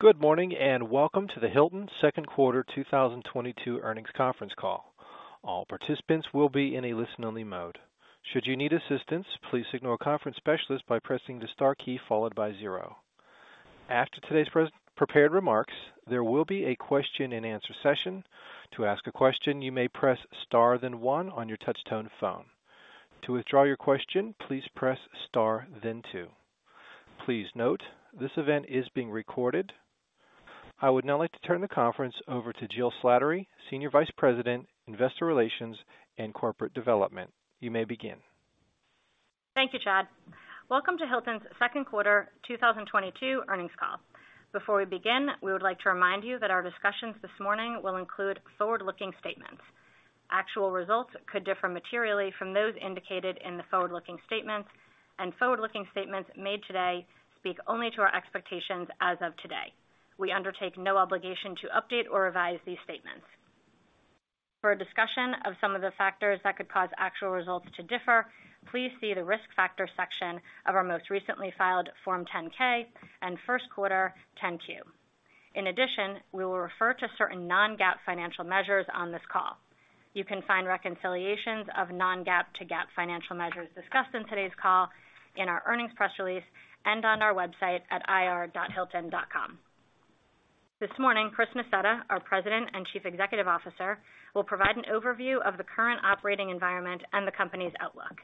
Good morning, and welcome to the Hilton second quarter 2022 earnings conference call. All participants will be in a listen-only mode. Should you need assistance, please signal a conference specialist by pressing the star key followed by zero. After today's prepared remarks, there will be a question and answer session. To ask a question, you may press star, then one on your touchtone phone. To withdraw your question, please press star, then two. Please note, this event is being recorded. I would now like to turn the conference over to Jill Slattery, Senior Vice President, Investor Relations and Corporate Development. You may begin. Thank you, Chad. Welcome to Hilton's second quarter 2022 earnings call. Before we begin, we would like to remind you that our discussions this morning will include forward-looking statements. Actual results could differ materially from those indicated in the forward-looking statements, and forward-looking statements made today speak only to our expectations as of today. We undertake no obligation to update or revise these statements. For a discussion of some of the factors that could cause actual results to differ, please see the Risk Factors section of our most recently filed Form 10-K and first quarter 10-Q. In addition, we will refer to certain non-GAAP financial measures on this call. You can find reconciliations of non-GAAP to GAAP financial measures discussed in today's call in our earnings press release and on our website at ir.hilton.com. This morning, Chris Nassetta, our President and Chief Executive Officer, will provide an overview of the current operating environment and the company's outlook.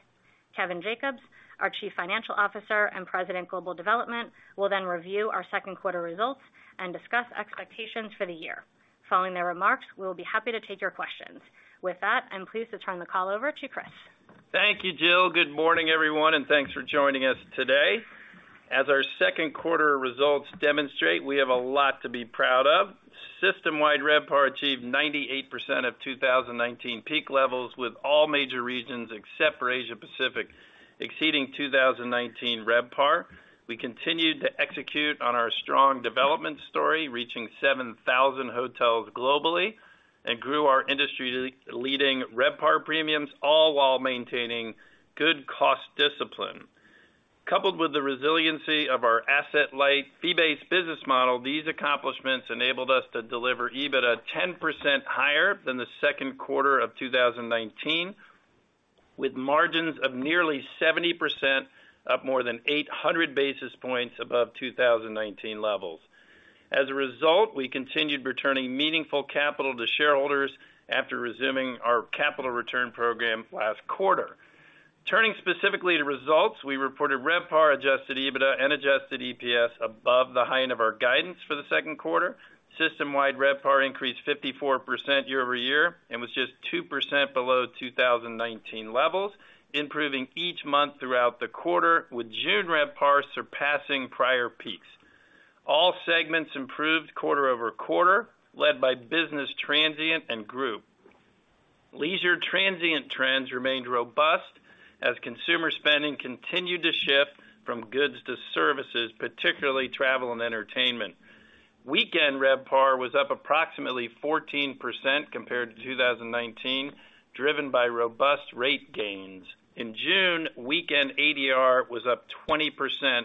Kevin Jacobs, our Chief Financial Officer and President, Global Development, will then review our second quarter results and discuss expectations for the year. Following their remarks, we'll be happy to take your questions. With that, I'm pleased to turn the call over to Chris. Thank you, Jill. Good morning, everyone, and thanks for joining us today. As our second quarter results demonstrate, we have a lot to be proud of. System-wide RevPAR achieved 98% of 2019 peak levels, with all major regions except for Asia Pacific exceeding 2019 RevPAR. We continued to execute on our strong development story, reaching 7,000 hotels globally and grew our industry leading RevPAR premiums, all while maintaining good cost discipline. Coupled with the resiliency of our asset-light, fee-based business model, these accomplishments enabled us to deliver EBITDA 10% higher than the second quarter of 2019, with margins of nearly 70%, up more than 800 basis points above 2019 levels. As a result, we continued returning meaningful capital to shareholders after resuming our capital return program last quarter. Turning specifically to results, we reported RevPAR, adjusted EBITDA, and adjusted EPS above the high end of our guidance for the second quarter. System-wide RevPAR increased 54% year over year and was just 2% below 2019 levels, improving each month throughout the quarter, with June RevPAR surpassing prior peaks. All segments improved quarter over quarter, led by business transient and group. Leisure transient trends remained robust as consumer spending continued to shift from goods to services, particularly travel and entertainment. Weekend RevPAR was up approximately 14% compared to 2019, driven by robust rate gains. In June, weekend ADR was up 20%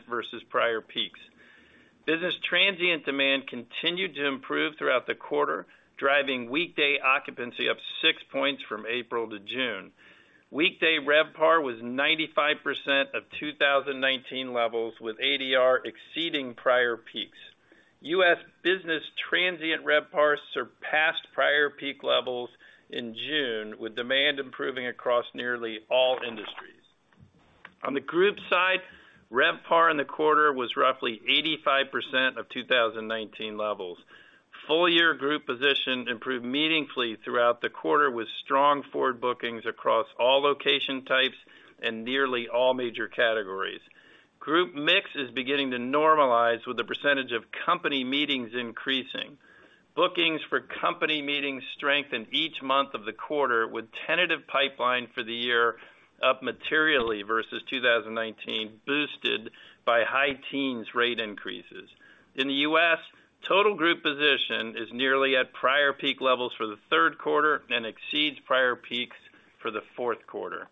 versus prior peaks. Business transient demand continued to improve throughout the quarter, driving weekday occupancy up 6 points from April to June. Weekday RevPAR was 95% of 2019 levels, with ADR exceeding prior peaks. U.S. Business transient RevPAR surpassed prior peak levels in June, with demand improving across nearly all industries. On the group side, RevPAR in the quarter was roughly 85% of 2019 levels. Full year group position improved meaningfully throughout the quarter, with strong forward bookings across all location types and nearly all major categories. Group mix is beginning to normalize, with the percentage of company meetings increasing. Bookings for company meetings strengthened each month of the quarter, with tentative pipeline for the year up materially versus 2019, boosted by high teens rate increases. In the U.S., total group position is nearly at prior peak levels for the third quarter and exceeds prior peaks for the fourth quarter.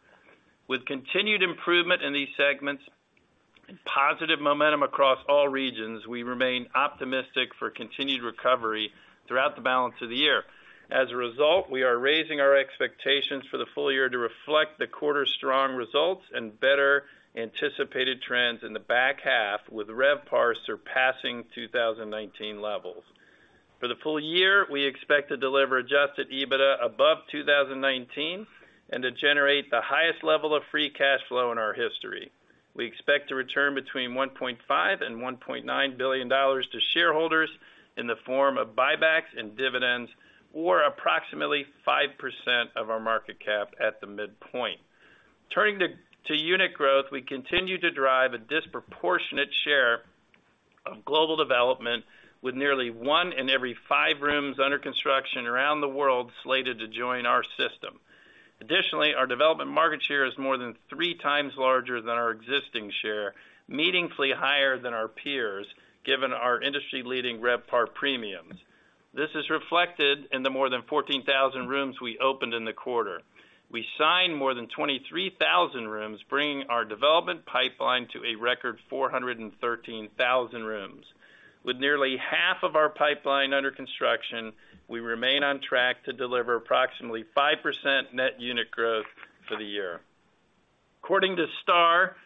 With continued improvement in these segments and positive momentum across all regions, we remain optimistic for continued recovery throughout the balance of the year. As a result, we are raising our expectations for the full year to reflect the quarter's strong results and better anticipated trends in the back half, with RevPAR surpassing 2019 levels. For the full year, we expect to deliver adjusted EBITDA above 2019 and to generate the highest level of free cash flow in our history. We expect to return between $1.5 billion and $1.9 billion to shareholders in the form of buybacks and dividends, or approximately 5% of our market cap at the midpoint. Turning to unit growth, we continue to drive a disproportionate share of global development, with nearly one in every five rooms under construction around the world slated to join our system. Additionally, our development market share is more than three times larger than our existing share, meaningfully higher than our peers, given our industry-leading RevPAR premiums. This is reflected in the more than 14,000 rooms we opened in the quarter. We signed more than 23,000 rooms, bringing our development pipeline to a record 413,000 rooms. With nearly half of our pipeline under construction, we remain on track to deliver approximately 5% net unit growth for the year. According to STR,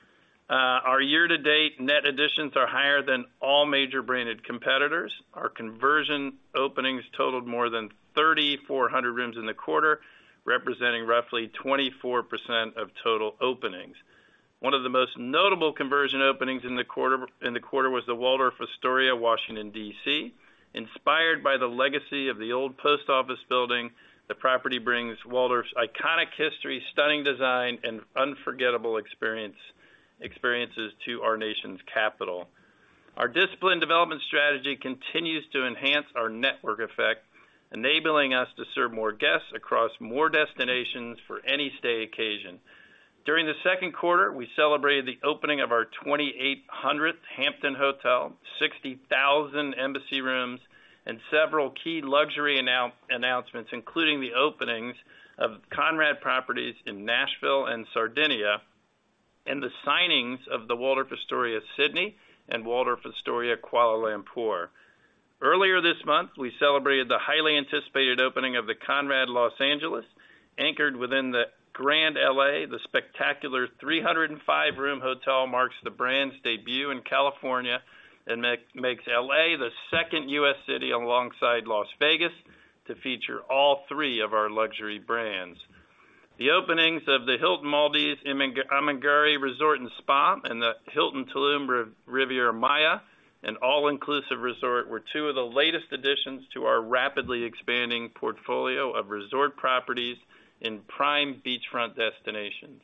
our year to date net additions are higher than all major branded competitors. Our conversion openings totaled more than 3,400 rooms in the quarter, representing roughly 24% of total openings. One of the most notable conversion openings in the quarter was the Waldorf Astoria, Washington, D.C. Inspired by the legacy of the old post office building, the property brings Waldorf Astoria's iconic history, stunning design, and unforgettable experiences to our nation's capital. Our disciplined development strategy continues to enhance our network effect, enabling us to serve more guests across more destinations for any stay occasion. During the second quarter, we celebrated the opening of our 2,800th Hampton hotel, 60,000 Embassy rooms, and several key luxury announcements, including the openings of Conrad properties in Nashville and Sardinia, and the signings of the Waldorf Astoria Sydney and Waldorf Astoria Kuala Lumpur. Earlier this month, we celebrated the highly anticipated opening of the Conrad Los Angeles, anchored within the Grand L.A. The spectacular 305-room hotel marks the brand's debut in California and makes L.A. the second U.S. city alongside Las Vegas to feature all three of our luxury brands. The openings of the Hilton Maldives Amingiri Resort & Spa and the Hilton Tulum Riviera Maya All-Inclusive Resort were two of the latest additions to our rapidly expanding portfolio of resort properties in prime beachfront destinations.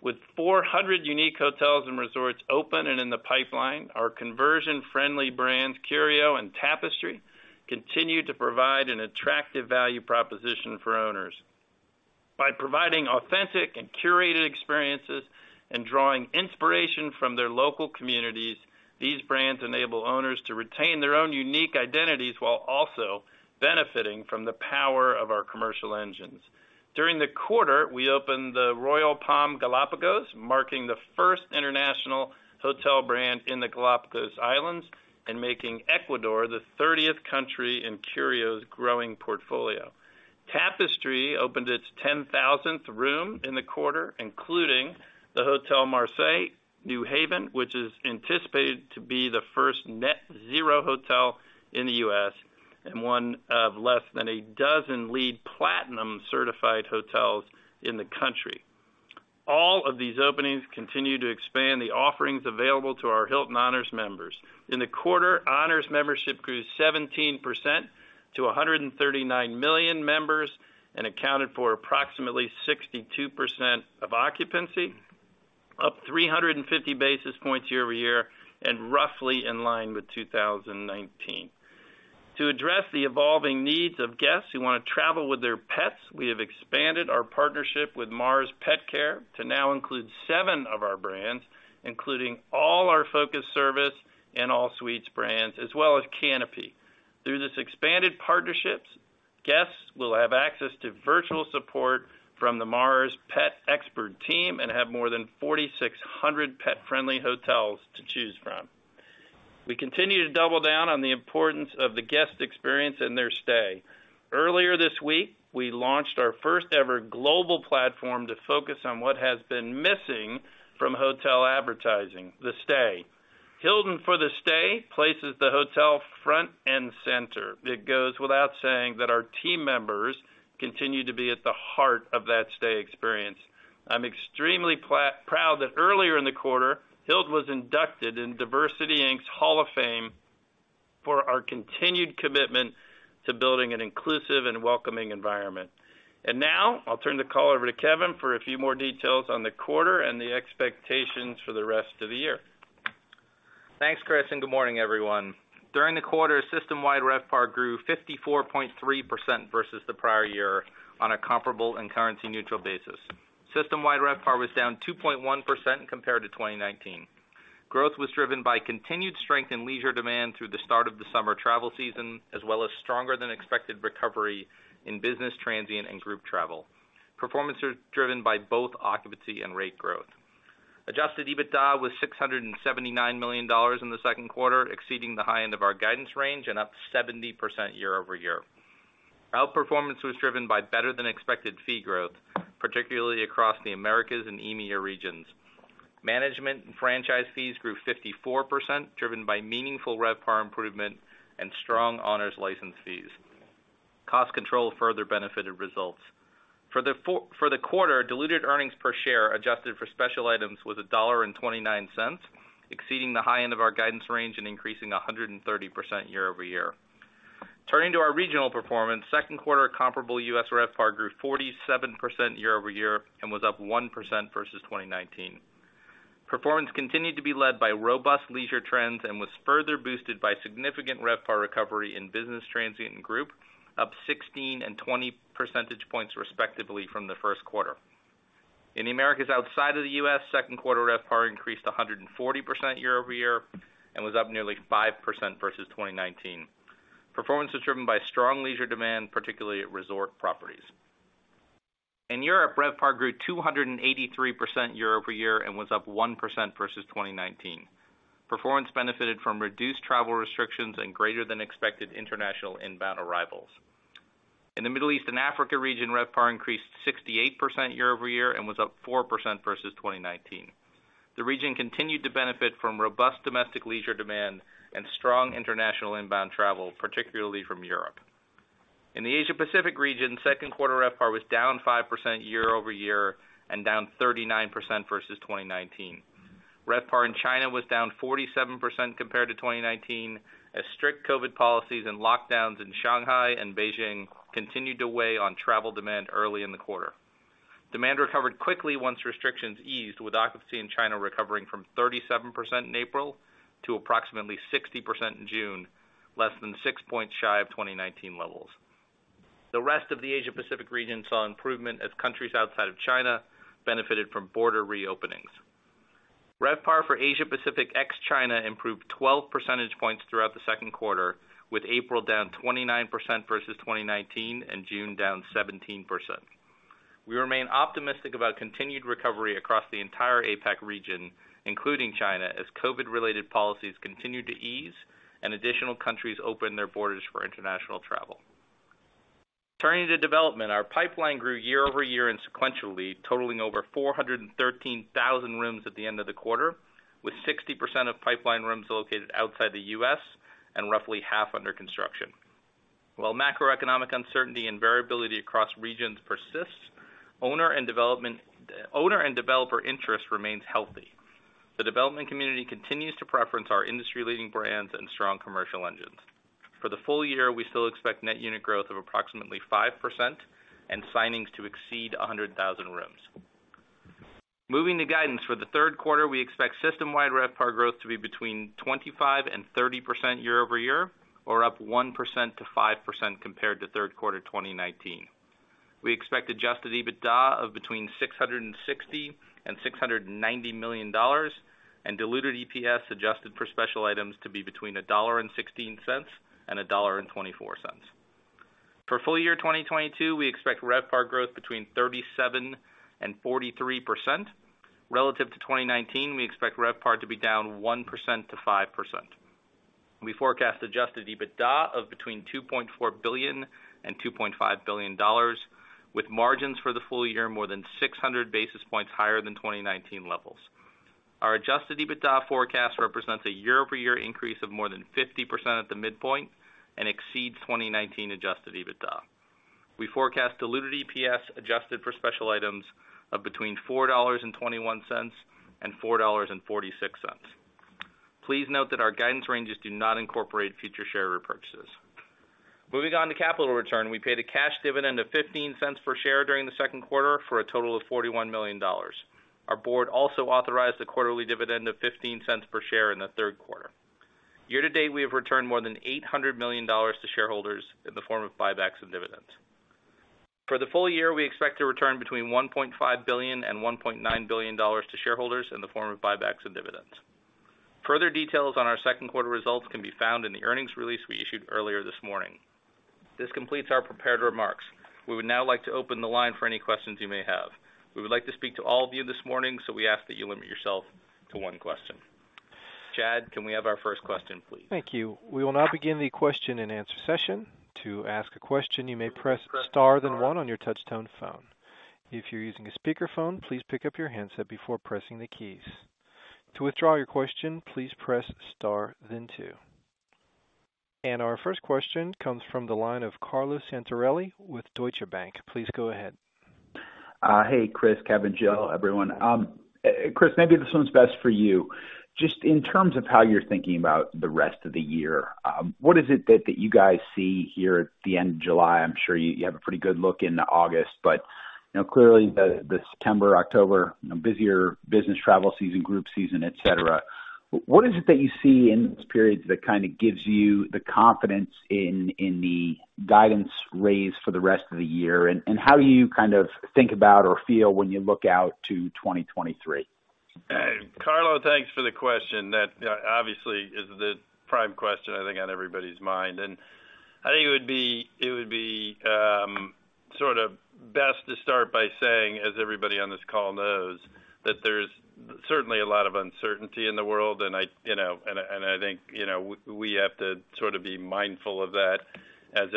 With 400 unique hotels and resorts open and in the pipeline, our conversion-friendly brands, Curio and Tapestry, continue to provide an attractive value proposition for owners. By providing authentic and curated experiences and drawing inspiration from their local communities, these brands enable owners to retain their own unique identities while also benefiting from the power of our commercial engines. During the quarter, we opened the Royal Palm Galapagos, marking the first international hotel brand in the Galapagos Islands and making Ecuador the thirtieth country in Curio's growing portfolio. Tapestry opened its 10,000th room in the quarter, including the Hotel Marcel New Haven, which is anticipated to be the first net-zero hotel in the U.S. and one of less than a dozen LEED Platinum certified hotels in the country. All of these openings continue to expand the offerings available to our Hilton Honors members. In the quarter, Honors membership grew 17% to 139 million members and accounted for approximately 62% of occupancy, up 350 basis points year-over-year and roughly in line with 2019. To address the evolving needs of guests who wanna travel with their pets, we have expanded our partnership with Mars Petcare to now include seven of our brands, including all our focused service and all suites brands, as well as Canopy. Through this expanded partnerships, guests will have access to virtual support from the Mars Petcare expert team and have more than 4,600 pet-friendly hotels to choose from. We continue to double down on the importance of the guest experience in their stay. Earlier this week, we launched our first ever global platform to focus on what has been missing from hotel advertising, the stay. Hilton. For the Stay places the hotel front and center. It goes without saying that our team members continue to be at the heart of that stay experience. I'm extremely proud that earlier in the quarter, Hilton was inducted in DiversityInc's Hall of Fame for our continued commitment to building an inclusive and welcoming environment. Now, I'll turn the call over to Kevin for a few more details on the quarter and the expectations for the rest of the year. Thanks, Chris, and good morning, everyone. During the quarter, system-wide RevPAR grew 54.3% versus the prior year on a comparable and currency neutral basis. System-wide RevPAR was down 2.1% compared to 2019. Growth was driven by continued strength in leisure demand through the start of the summer travel season, as well as stronger than expected recovery in business transient and group travel. Performance are driven by both occupancy and rate growth. Adjusted EBITDA was $679 million in the second quarter, exceeding the high end of our guidance range and up 70% year-over-year. Outperformance was driven by better than expected fee growth, particularly across the Americas and EMEA regions. Management and franchise fees grew 54%, driven by meaningful RevPAR improvement and strong Honors license fees. Cost control further benefited results. For the quarter, diluted earnings per share adjusted for special items was $1.29, exceeding the high end of our guidance range and increasing 130% year-over-year. Turning to our regional performance, second quarter comparable U.S. RevPAR grew 47% year-over-year and was up 1% versus 2019. Performance continued to be led by robust leisure trends and was further boosted by significant RevPAR recovery in business transient and group, up 16 and 20 percentage points respectively from the first quarter. In the Americas outside of the U.S., second quarter RevPAR increased 140% year-over-year and was up nearly 5% versus 2019. Performance was driven by strong leisure demand, particularly at resort properties. In Europe, RevPAR grew 283% year-over-year and was up 1% versus 2019. Performance benefited from reduced travel restrictions and greater than expected international inbound arrivals. In the Middle East and Africa region, RevPAR increased 68% year-over-year and was up 4% versus 2019. The region continued to benefit from robust domestic leisure demand and strong international inbound travel, particularly from Europe. In the Asia Pacific region, second quarter RevPAR was down 5% year-over-year and down 39% versus 2019. RevPAR in China was down 47% compared to 2019 as strict COVID policies and lockdowns in Shanghai and Beijing continued to weigh on travel demand early in the quarter. Demand recovered quickly once restrictions eased, with occupancy in China recovering from 37% in April to approximately 60% in June, less than 6 points shy of 2019 levels. The rest of the Asia Pacific region saw improvement as countries outside of China benefited from border reopenings. RevPAR for Asia Pacific ex China improved 12 percentage points throughout the second quarter, with April down 29% versus 2019 and June down 17%. We remain optimistic about continued recovery across the entire APAC region, including China, as COVID-related policies continue to ease and additional countries open their borders for international travel. Turning to development, our pipeline grew year-over-year and sequentially totaling over 413,000 rooms at the end of the quarter, with 60% of pipeline rooms located outside the U.S. and roughly half under construction. While macroeconomic uncertainty and variability across regions persists, owner and developer interest remains healthy. The development community continues to prefer our industry-leading brands and strong commercial engines. For the full year, we still expect net unit growth of approximately 5% and signings to exceed 100,000 rooms. Moving to guidance for the third quarter, we expect system-wide RevPAR growth to be between 25% and 30% year-over-year or up 1%-5% compared to third quarter 2019. We expect adjusted EBITDA of between $660 million and $690 million and diluted EPS adjusted for special items to be between $1.16 and $1.24. For full year 2022, we expect RevPAR growth between 37% and 43%. Relative to 2019, we expect RevPAR to be down 1%-5%. We forecast adjusted EBITDA of between $2.4 billion and $2.5 billion, with margins for the full year more than 600 basis points higher than 2019 levels. Our adjusted EBITDA forecast represents a year-over-year increase of more than 50% at the midpoint and exceeds 2019 adjusted EBITDA. We forecast diluted EPS adjusted for special items of between $4.21 and $4.46. Please note that our guidance ranges do not incorporate future share repurchases. Moving on to capital return. We paid a cash dividend of $0.15 per share during the second quarter for a total of $41 million. Our board also authorized a quarterly dividend of $0.15 per share in the third quarter. Year to date, we have returned more than $800 million to shareholders in the form of buybacks and dividends. For the full year, we expect to return between $1.5 billion and $1.9 billion to shareholders in the form of buybacks and dividends. Further details on our second quarter results can be found in the earnings release we issued earlier this morning. This completes our prepared remarks. We would now like to open the line for any questions you may have. We would like to speak to all of you this morning, so we ask that you limit yourself to one question. Chad, can we have our first question, please? Thank you. We will now begin the question and answer session. To ask a question, you may press Star then one on your touchtone phone. If you're using a speakerphone, please pick up your handset before pressing the keys. To withdraw your question, please press Star then two. Our first question comes from the line of Carlo Santarelli with Deutsche Bank. Please go ahead. Hey, Chris, Kevin, Jill, everyone. Chris, maybe this one's best for you. Just in terms of how you're thinking about the rest of the year, what is it that you guys see here at the end of July? I'm sure you have a pretty good look into August, but you know, clearly the September, October, you know, busier business travel season, group season, et cetera. What is it that you see in this period that kind of gives you the confidence in the guidance raise for the rest of the year? How do you kind of think about or feel when you look out to 2023? Carlo, thanks for the question. That obviously is the prime question, I think, on everybody's mind. I think it would be sort of best to start by saying, as everybody on this call knows, that there's certainly a lot of uncertainty in the world. I think, you know, we have to sort of be mindful of that as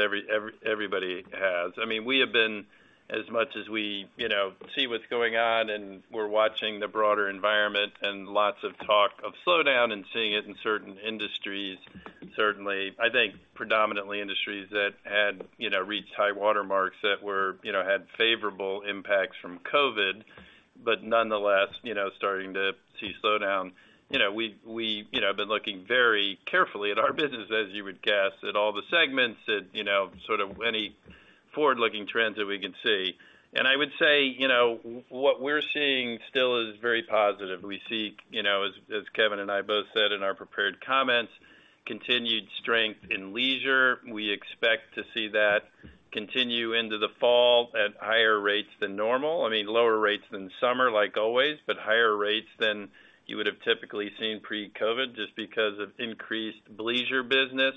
everybody has. I mean, we have been as much as we, you know, see what's going on, and we're watching the broader environment and lots of talk of slowdown and seeing it in certain industries, certainly, I think predominantly industries that had, you know, reached high water marks that were, you know, had favorable impacts from COVID, but nonetheless, you know, starting to see slowdown. You know, we have been looking very carefully at our business, as you would guess, at all the segments that, you know, sort of any forward-looking trends that we can see. I would say, you know, what we're seeing still is very positive. We see, you know, as Kevin and I both said in our prepared comments. Continued strength in leisure. We expect to see that continue into the fall at higher rates than normal. I mean, lower rates than summer, like always, but higher rates than you would have typically seen pre-COVID, just because of increased leisure business.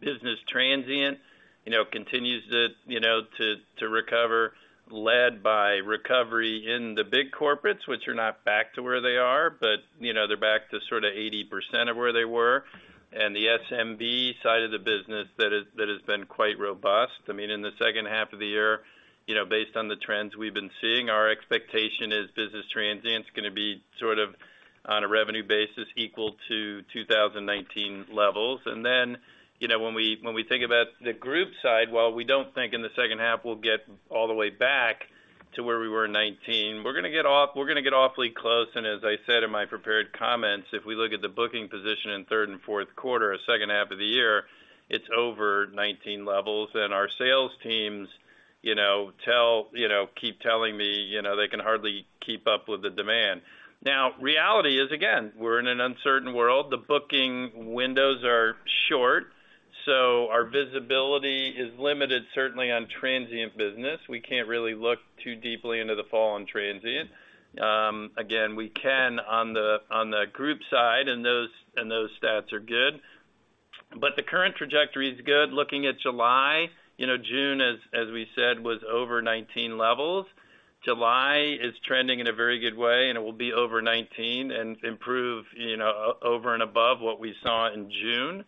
Business transient, you know, continues to recover, led by recovery in the big corporates, which are not back to where they are, but, you know, they're back to sort of 80% of where they were. The SMB side of the business that has been quite robust. I mean, in the second half of the year, you know, based on the trends we've been seeing, our expectation is business transient's gonna be sort of on a revenue basis equal to 2019 levels. Then, you know, when we think about the group side, while we don't think in the second half we'll get all the way back to where we were in 2019, we're gonna get awfully close. As I said in my prepared comments, if we look at the booking position in third and fourth quarter or second half of the year, it's over 2019 levels. Our sales teams, you know, tell me, you know, keep telling me, you know, they can hardly keep up with the demand. Now, reality is, again, we're in an uncertain world. The booking windows are short, so our visibility is limited, certainly on transient business. We can't really look too deeply into the fall on transient. Again, we can on the group side, and those stats are good. The current trajectory is good. Looking at July, you know, June as we said was over 2019 levels. July is trending in a very good way, and it will be over 2019 and improve, you know, over and above what we saw in June.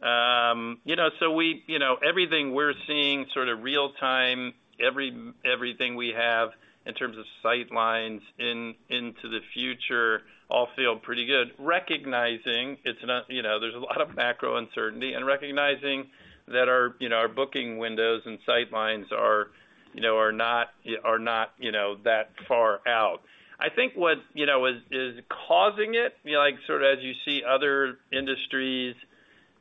You know, everything we're seeing sort of real time, everything we have in terms of sight lines into the future all feel pretty good. Recognizing it's not, you know, there's a lot of macro uncertainty and recognizing that our, you know, our booking windows and sight lines are, you know, are not that far out. I think what is causing it, you know, like, sort of as you see other industries,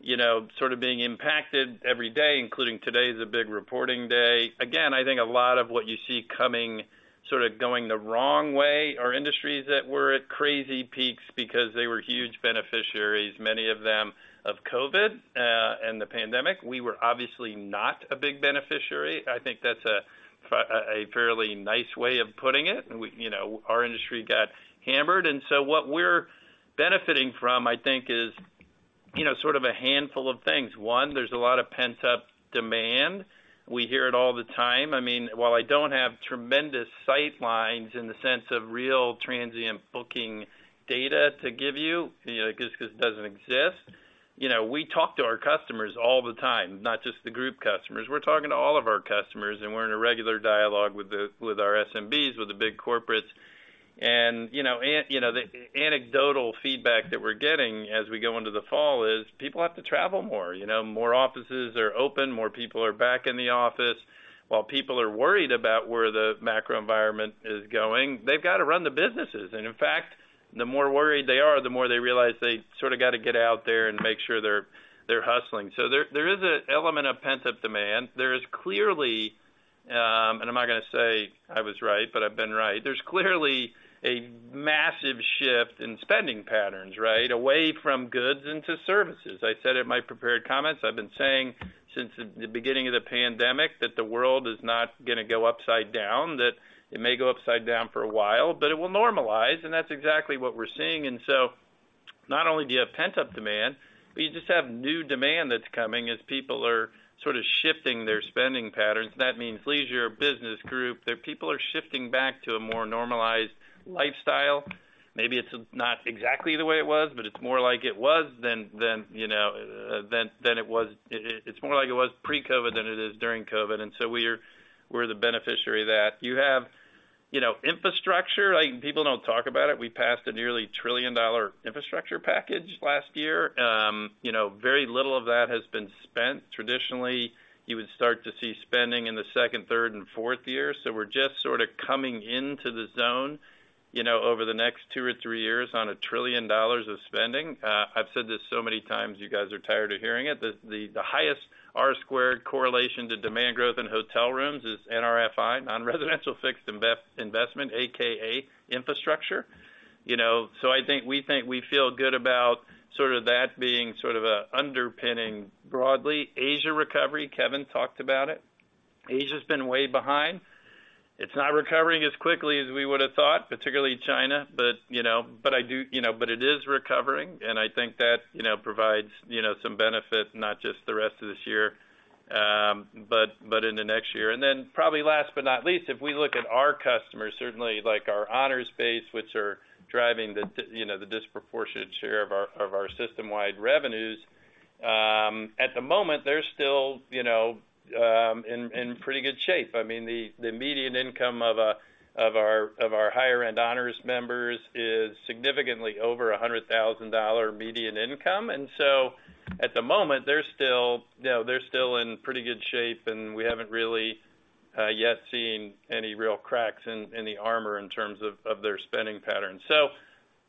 you know, sort of being impacted every day, including today is a big reporting day. Again, I think a lot of what you see coming, sort of going the wrong way are industries that were at crazy peaks because they were huge beneficiaries, many of them of COVID, and the pandemic. We were obviously not a big beneficiary. I think that's a fairly nice way of putting it. You know, our industry got hammered. What we're benefiting from, I think, is, you know, sort of a handful of things. One, there's a lot of pent-up demand. We hear it all the time. I mean, while I don't have tremendous sight lines in the sense of real transient booking data to give you know, just 'cause it doesn't exist, you know, we talk to our customers all the time, not just the group customers. We're talking to all of our customers, and we're in a regular dialogue with our SMBs, with the big corporates. You know, the anecdotal feedback that we're getting as we go into the fall is people have to travel more. You know, more offices are open, more people are back in the office. While people are worried about where the macro environment is going, they've got to run the businesses. In fact, the more worried they are, the more they realize they sort of got to get out there and make sure they're hustling. There is an element of pent-up demand. There is clearly, and I'm not gonna say I was right, but I've been right. There's clearly a massive shift in spending patterns, right, away from goods into services. I said in my prepared comments, I've been saying since the beginning of the pandemic that the world is not gonna go upside down, that it may go upside down for a while, but it will normalize, and that's exactly what we're seeing. Not only do you have pent-up demand, but you just have new demand that's coming as people are sort of shifting their spending patterns. That means leisure, business, group, that people are shifting back to a more normalized lifestyle. Maybe it's not exactly the way it was, but it's more like it was than you know than it was. It's more like it was pre-COVID than it is during COVID. We're the beneficiary of that. You have, you know, infrastructure. Like, people don't talk about it. We passed a nearly $1 trillion infrastructure package last year. You know, very little of that has been spent. Traditionally, you would start to see spending in the second, third, and fourth year. We're just sort of coming into the zone, you know, over the next two or three years on $1 trillion of spending. I've said this so many times, you guys are tired of hearing it. The highest R-squared correlation to demand growth in hotel rooms is NRFI, non-residential fixed investment, AKA infrastructure. You know, I think we feel good about that being a underpinning broadly. Asia recovery, Kevin talked about it. Asia's been way behind. It's not recovering as quickly as we would've thought, particularly China. But I do. You know, it is recovering, and I think that, you know, provides, you know, some benefit, not just the rest of this year, but in the next year. Then probably last but not least, if we look at our customers, certainly like our Honors base, which are driving you know, the disproportionate share of our system-wide revenues, at the moment, they're still, you know, in pretty good shape. I mean, the median income of our higher-end Honors members is significantly over $100,000 median income. At the moment, they're still, you know, they're still in pretty good shape, and we haven't really yet seen any real cracks in the armor in terms of their spending patterns.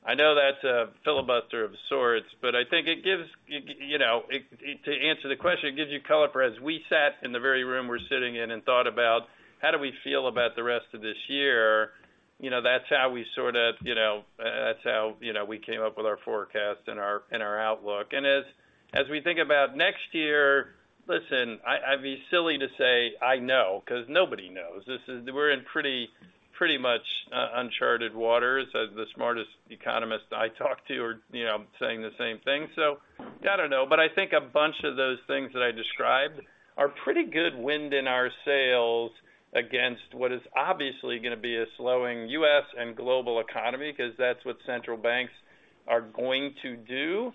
I know that's a filibuster of sorts, but I think it gives you know it to answer the question it gives you color for as we sat in the very room we're sitting in and thought about how do we feel about the rest of this year. You know, that's how we sort of you know that's how you know we came up with our forecast and our outlook. As we think about next year, listen, I'd be silly to say I know, 'cause nobody knows. This is we're in pretty much uncharted waters, as the smartest economists I talk to are you know saying the same thing. Yeah, I don't know. I think a bunch of those things that I described are pretty good wind in our sails against what is obviously gonna be a slowing US and global economy, 'cause that's what central banks are going to do.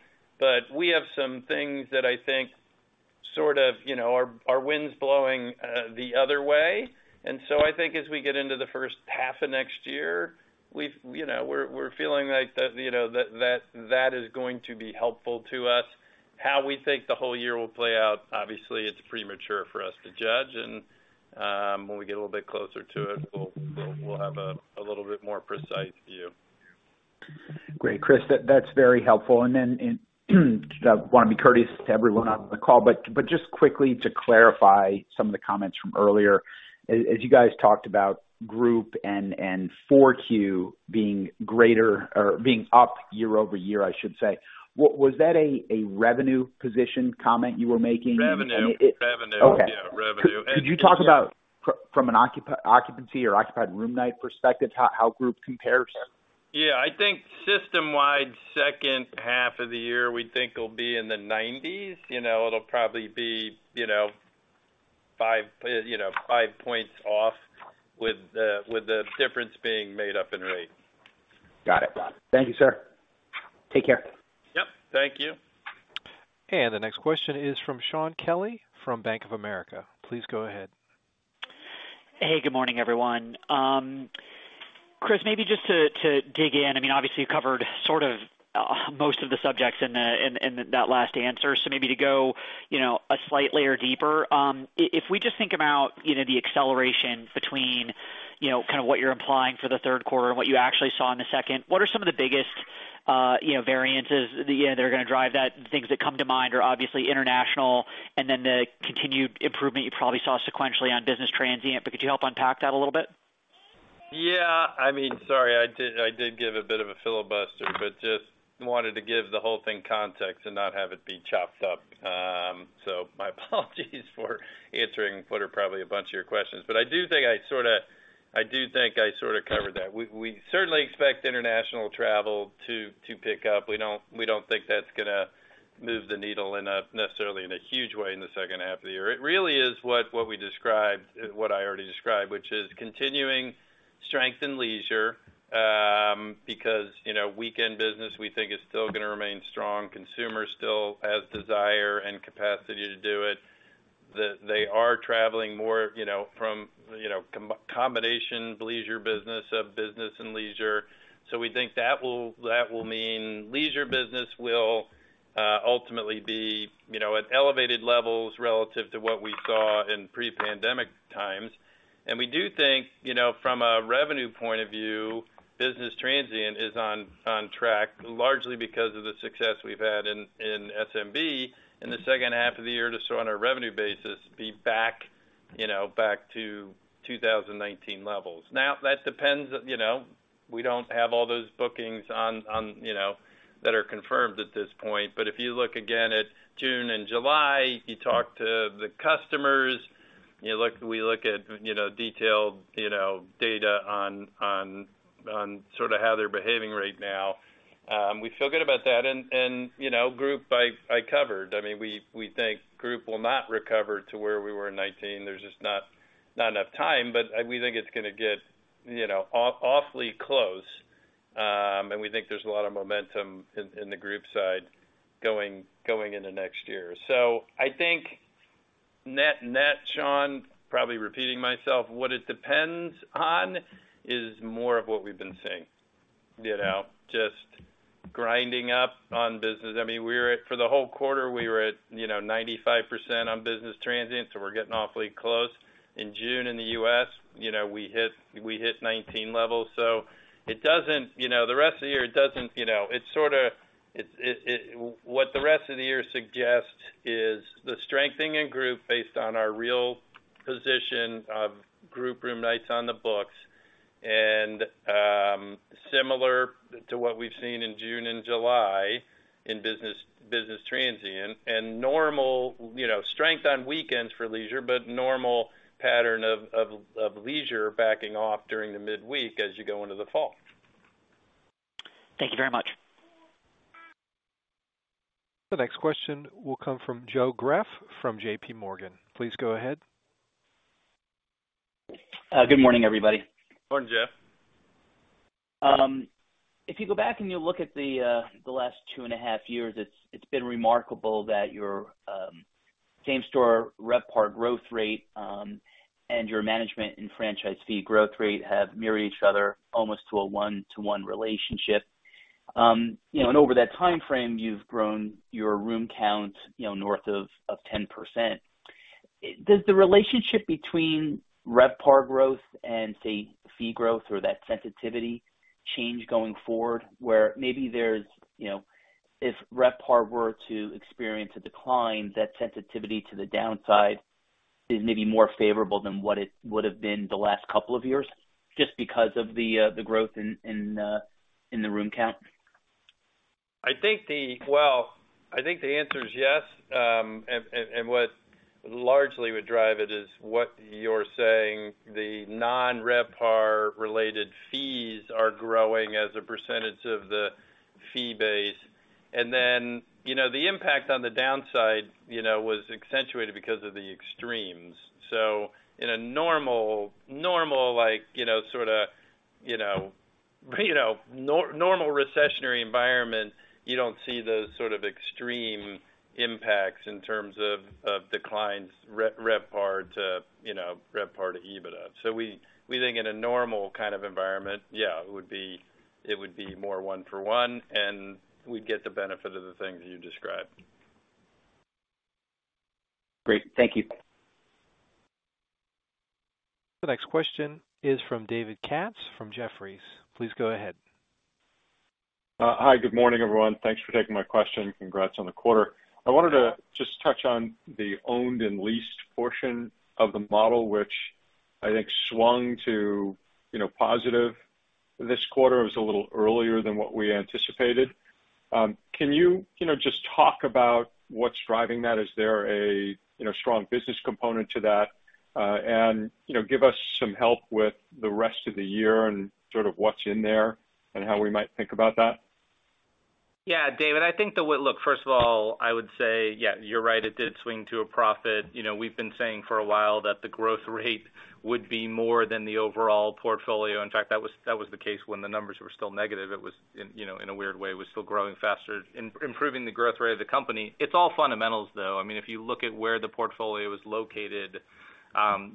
We have some things that I think sort of, you know, are winds blowing, the other way. I think as we get into the first half of next year, you know, we're feeling like that, you know, that is going to be helpful to us. How we think the whole year will play out, obviously, it's premature for us to judge, and when we get a little bit closer to it, we'll have a little bit more precise view. Great. Chris, that's very helpful. Then I wanna be courteous to everyone on the call, but just quickly to clarify some of the comments from earlier. As you guys talked about group and 4Q being greater or being up year-over-year, I should say, what was that a revenue position comment you were making? Revenue. It- Revenue. Okay. Yeah, revenue. Could you talk about from an occupancy or occupied room night perspective, how group compares? Yeah. I think system-wide second half of the year, we think will be in the 90s. You know, it'll probably be, you know, 5 points off with the difference being made up in rates. Got it. Thank you, sir. Take care. Yep. Thank you. The next question is from Shaun Kelley from Bank of America. Please go ahead. Hey, good morning, everyone. Chris, maybe just to dig in, I mean, obviously you covered sort of most of the subjects in that last answer. So maybe to go, you know, a slight layer deeper. If we just think about, you know, the acceleration between, you know, kind of what you're implying for the third quarter and what you actually saw in the second, what are some of the biggest, you know, variances, you know, that are gonna drive that? The things that come to mind are obviously international and then the continued improvement you probably saw sequentially on business transient. Could you help unpack that a little bit? Yeah. I mean, sorry, I did give a bit of a filibuster, but just wanted to give the whole thing context and not have it be chopped up. My apologies for answering what are probably a bunch of your questions. I do think I sorta covered that. We certainly expect international travel to pick up. We don't think that's gonna move the needle in a necessarily huge way in the second half of the year. It really is what we described, what I already described, which is continuing strength in leisure, because, you know, weekend business, we think is still gonna remain strong. Consumer still has desire and capacity to do it. They are traveling more, you know, from a combination of leisure and business. We think that will mean leisure business will ultimately be, you know, at elevated levels relative to what we saw in pre-pandemic times. We do think, you know, from a revenue point of view, business transient is on track, largely because of the success we've had in SMB in the second half of the year. Just so on a revenue basis back to 2019 levels. Now, that depends, you know, we don't have all those bookings on the books that are confirmed at this point. If you look again at June and July, you talk to the customers, we look at, you know, detailed, you know, data on sort of how they're behaving right now, we feel good about that. You know, group. I covered. I mean, we think group will not recover to where we were in 2019. There's just not enough time. We think it's gonna get, you know, awfully close. We think there's a lot of momentum in the group side going into next year. I think net, Shaun, probably repeating myself, what it depends on is more of what we've been seeing. You know, just grinding up on business. I mean, we're at, for the whole quarter, we were at, you know, 95% on business transient, so we're getting awfully close. In June in the U.S., you know, we hit 2019 levels. It doesn't, you know, the rest of the year suggest the strengthening in group based on our real position of group room nights on the books, and similar to what we've seen in June and July in business transient and normal, you know, strength on weekends for leisure, but normal pattern of leisure backing off during the midweek as you go into the fall. Thank you very much. The next question will come from Joe Greff from J.P. Morgan. Please go ahead. Good morning, everybody. Morning, Greff. If you go back and you look at the last 2.5 years, it's been remarkable that your same-store RevPAR growth rate and your management and franchise fee growth rate have mirrored each other almost to a one-to-one relationship. You know, over that timeframe, you've grown your room count north of 10%. Does the relationship between RevPAR growth and, say, fee growth or that sensitivity change going forward, where maybe there's, you know, if RevPAR were to experience a decline, that sensitivity to the downside. Is maybe more favorable than what it would have been the last couple of years, just because of the growth in the room count? Well, I think the answer is yes. What largely would drive it is what you're saying, the non-RevPAR-related fees are growing as a percentage of the fee base. You know, the impact on the downside, you know, was accentuated because of the extremes. In a normal, like, you know, sorta, you know, normal recessionary environment, you don't see those sort of extreme impacts in terms of declines, RevPAR to EBITDA. We think in a normal kind of environment, yeah, it would be more one for one, and we'd get the benefit of the things you described. Great. Thank you. The next question is from David Katz from Jefferies. Please go ahead. Hi. Good morning, everyone. Thanks for taking my question. Congrats on the quarter. I wanted to just touch on the owned and leased portion of the model, which I think swung to, you know, positive this quarter. It was a little earlier than what we anticipated. Can you know, just talk about what's driving that? Is there a, you know, strong business component to that? You know, give us some help with the rest of the year and sort of what's in there and how we might think about that. Yeah. David, I think, look, first of all, I would say, yeah, you're right, it did swing to a profit. You know, we've been saying for a while that the growth rate would be more than the overall portfolio. In fact, that was the case when the numbers were still negative. It was, you know, in a weird way, it was still growing faster, improving the growth rate of the company. It's all fundamentals, though. I mean, if you look at where the portfolio is located,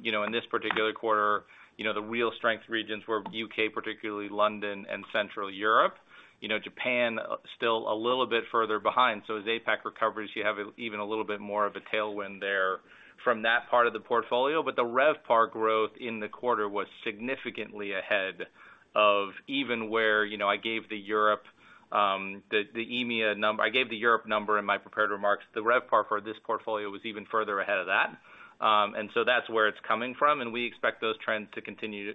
you know, in this particular quarter, you know, the real strength regions were U.K., particularly London and Central Europe. You know, Japan still a little bit further behind. As APAC recovers, you have even a little bit more of a tailwind there from that part of the portfolio. The RevPAR growth in the quarter was significantly ahead of even where, you know, I gave the Europe, the EMEA number. I gave the Europe number in my prepared remarks. The RevPAR for this portfolio was even further ahead of that. That's where it's coming from. We expect those trends to continue,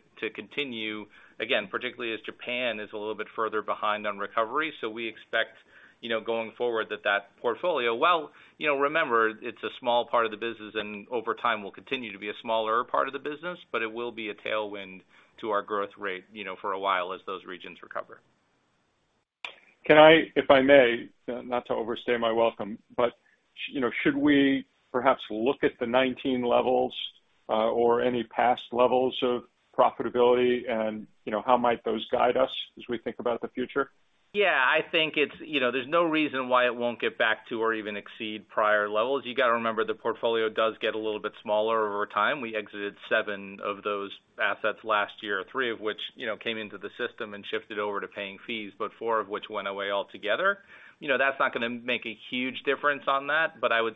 again, particularly as Japan is a little bit further behind on recovery. We expect, you know, going forward that portfolio, while, you know, remember, it's a small part of the business, and over time will continue to be a smaller part of the business, but it will be a tailwind to our growth rate, you know, for a while as those regions recover. Can I, if I may, not to overstay my welcome, but, you know, should we perhaps look at the 19 levels, or any past levels of profitability and, you know, how might those guide us as we think about the future? Yeah. I think it's, you know, there's no reason why it won't get back to or even exceed prior levels. You gotta remember the portfolio does get a little bit smaller over time. We exited seven of those assets last year, three of which, you know, came into the system and shifted over to paying fees, but four of which went away altogether. You know, that's not gonna make a huge difference on that. But I would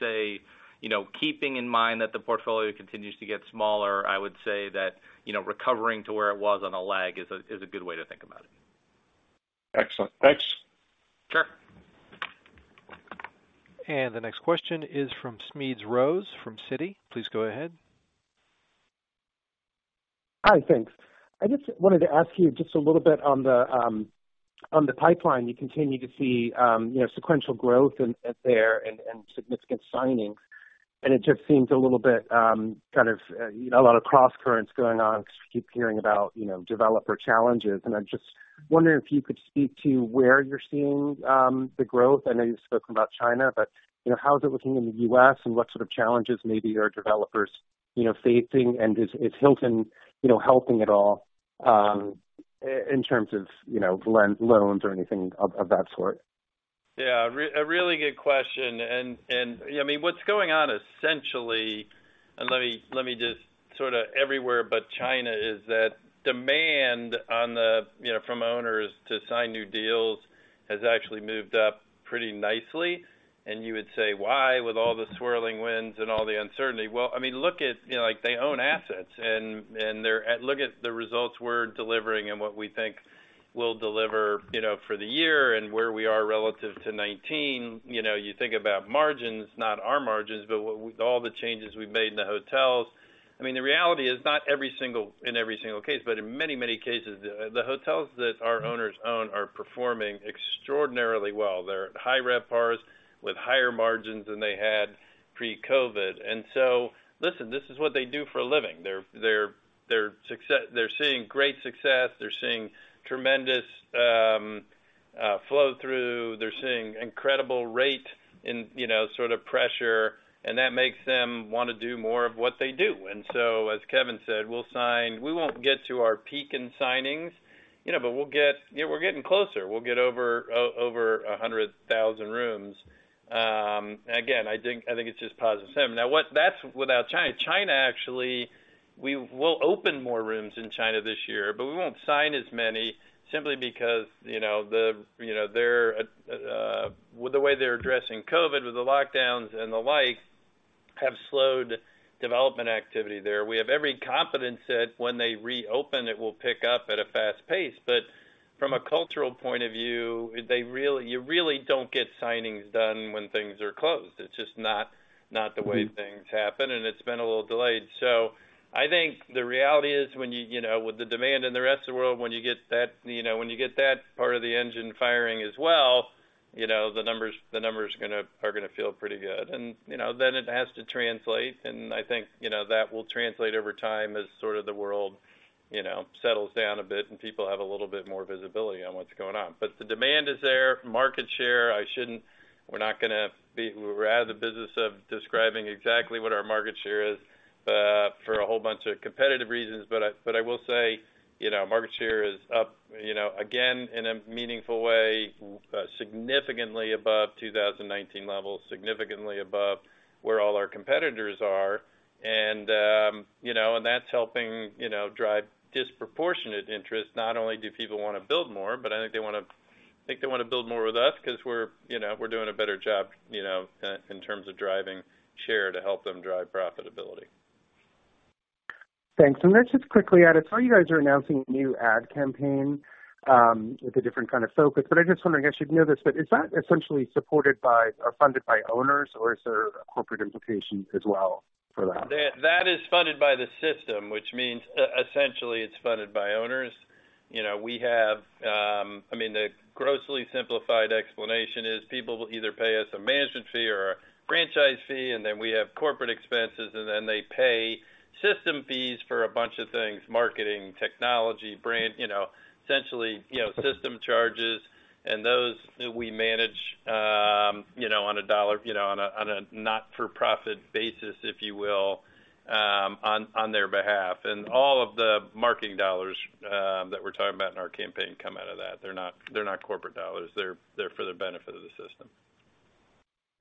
say, you know, keeping in mind that the portfolio continues to get smaller, I would say that, you know, recovering to where it was on a lag is a good way to think about it. Excellent. Thanks. Sure. The next question is from Smedes Rose from Citi. Please go ahead. Hi. Thanks. I just wanted to ask you just a little bit on the pipeline. You continue to see you know sequential growth there and significant signings. It just seems a little bit kind of you know a lot of crosscurrents going on, because you keep hearing about you know developer challenges. I'm just wondering if you could speak to where you're seeing the growth. I know you've spoken about China, but you know how is it looking in the U.S., and what sort of challenges maybe are developers you know facing? Is Hilton you know helping at all in terms of you know loans or anything of that sort? Yeah. A really good question. You know, I mean, what's going on essentially, let me just sorta everywhere but China, is that demand, you know, from owners to sign new deals has actually moved up pretty nicely. You would say, "Why, with all the swirling winds and all the uncertainty?" Well, I mean, look at, you know, like, they own assets. Look at the results we're delivering and what we think we'll deliver, you know, for the year and where we are relative to 2019. You know, you think about margins, not our margins, but with all the changes we've made in the hotels. I mean, the reality is, not in every single case, but in many cases, the hotels that our owners own are performing extraordinarily well. They're at high RevPARs with higher margins than they had pre-COVID. Listen, this is what they do for a living. They're seeing great success. They're seeing tremendous flow-through. They're seeing incredible rate and, you know, sort of pressure, and that makes them wanna do more of what they do. As Kevin said, we won't get to our peak in signings, you know, but we'll get, you know, we're getting closer. We'll get over 100,000 rooms. And again, I think it's just +7%. That's without China. China, actually, we will open more rooms in China this year, but we won't sign as many simply because, you know, the, you know, their. Well, the way they're addressing COVID with the lockdowns and the like have slowed development activity there. We have every confidence that when they reopen, it will pick up at a fast pace. From a cultural point of view, you really don't get signings done when things are closed. It's just not the way things happen, and it's been a little delayed. I think the reality is when you know, with the demand in the rest of the world, when you get that, you know, when you get that part of the engine firing as well, you know, the numbers are gonna feel pretty good. You know, then it has to translate, and I think, you know, that will translate over time as sort of the world, you know, settles down a bit and people have a little bit more visibility on what's going on. The demand is there. Market share, we're out of the business of describing exactly what our market share is, for a whole bunch of competitive reasons. But I will say, you know, market share is up, you know, again, in a meaningful way, significantly above 2019 levels, significantly above where all our competitors are. You know, that's helping, you know, drive disproportionate interest. Not only do people wanna build more, but I think they wanna build more with us 'cause we're, you know, doing a better job, you know, in terms of driving share to help them drive profitability. Thanks. Let's just quickly add. I saw you guys are announcing a new ad campaign with a different kind of focus, but I'm just wondering, I guess you'd know this, but is that essentially supported by or funded by owners, or is there corporate implications as well for that? That is funded by the system, which means essentially it's funded by owners. You know, we have. I mean, the grossly simplified explanation is people will either pay us a management fee or a franchise fee, and then we have corporate expenses, and then they pay system fees for a bunch of things, marketing, technology, brand, you know, essentially, you know, system charges and those that we manage, you know, on a dollar-for-dollar not-for-profit basis, if you will, on their behalf. All of the marketing dollars that we're talking about in our campaign come out of that. They're not corporate dollars. They're for the benefit of the system.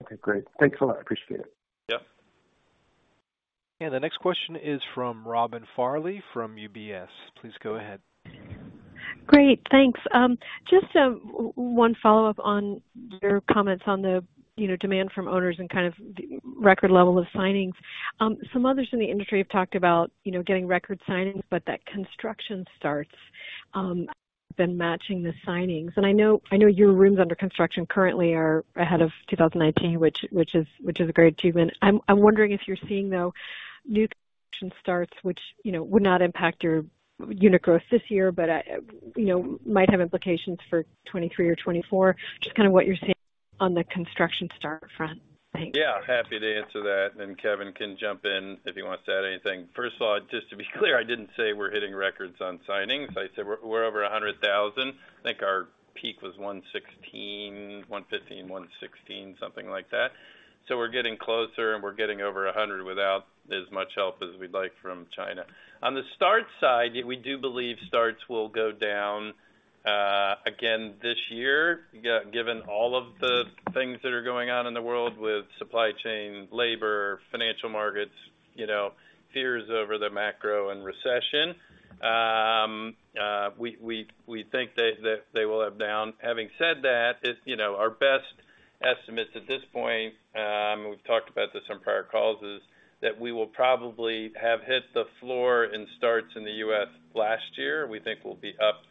Okay, great. Thanks a lot. Appreciate it. Yep. The next question is from Robin Farley from UBS. Please go ahead. Great, thanks. Just one follow-up on your comments on the, you know, demand from owners and kind of the record level of signings. Some others in the industry have talked about, you know, getting record signings, but that construction starts have been matching the signings. I know your rooms under construction currently are ahead of 2019, which is a great achievement. I'm wondering if you're seeing, though, new construction starts, which you know, would not impact your unit growth this year, but you know, might have implications for 2023 or 2024, just kind of what you're seeing on the construction start front. Thanks. Yeah, happy to answer that, and Kevin can jump in if he wants to add anything. First of all, just to be clear, I didn't say we're hitting records on signings. I said we're over 100,000. I think our peak was 116, 115, 116, something like that. So we're getting closer, and we're getting over 100 without as much help as we'd like from China. On the start side, we do believe starts will go down again this year, given all of the things that are going on in the world with supply chain, labor, financial markets, you know, fears over the macro and recession. We think they will be down. Having said that, it's, you know, our best estimates at this point, we've talked about this on prior calls, is that we will probably have hit the floor in starts in the U.S. last year. We think we'll be up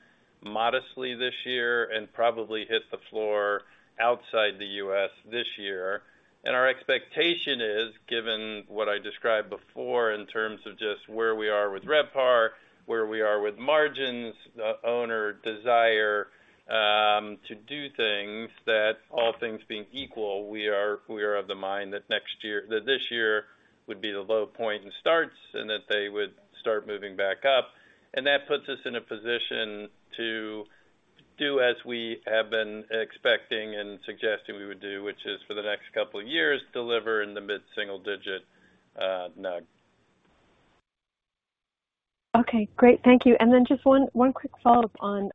modestly this year and probably hit the floor outside the U.S. this year. Our expectation is, given what I described before in terms of just where we are with RevPAR, where we are with margins, the owner desire to do things, that all things being equal, we are of the mind that this year would be the low point in starts and that they would start moving back up. That puts us in a position to do as we have been expecting and suggesting we would do, which is for the next couple of years, deliver in the mid-single digit NUG. Okay, great. Thank you. Just one quick follow-up on